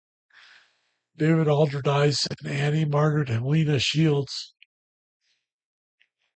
David Alderdice and Annie Margaret Helena Shields.